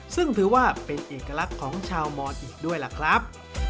ซึ่งถือว่าเป็นเอกลักษณ์ของชาวมอนอีกด้วยล่ะครับ